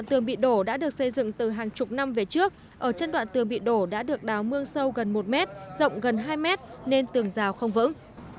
tường bị đổ đã được xây dựng từ hàng chục năm về trước ở chân đoạn tường bị đổ đã được đáo mương sâu gần một mét rộng gần hai mét nên tường rào không vững